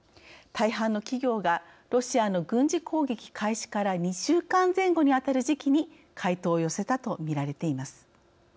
大半の企業がロシアの軍事攻撃開始から２週間前後にあたる時期に回答を寄せたとみられています。